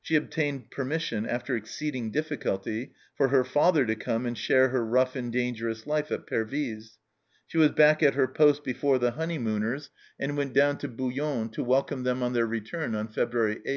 She obtained permission, after exceeding difficulty, for her father to come and share her rough and dangerous life at Pervyse. She was back at her post before the honeymooners, and KNTER ROMANCE (51 went down to Boulogne to welcome them on their return on February 8.